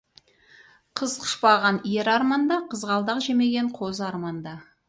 Қыз құшпаған ер арманда, қызғалдақ жемеген қозы арманда.